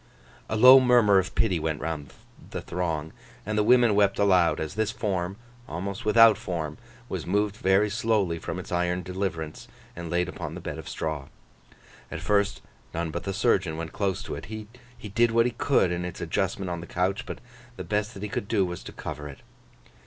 A low murmur of pity went round the throng, and the women wept aloud, as this form, almost without form, was moved very slowly from its iron deliverance, and laid upon the bed of straw. At first, none but the surgeon went close to it. He did what he could in its adjustment on the couch, but the best that he could do was to cover it.